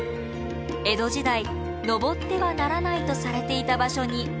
江戸時代登ってはならないとされていた場所に足を踏み入れます。